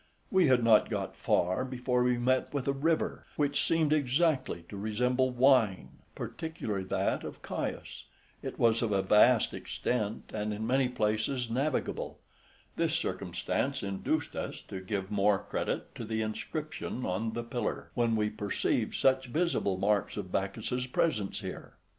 We had not got far before we met with a river, which seemed exactly to resemble wine, particularly that of Chios; it was of a vast extent, and in many places navigable; this circumstance induced us to give more credit to the inscription on the pillar, when we perceived such visible marks of Bacchus's presence here.